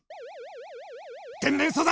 「天然素材」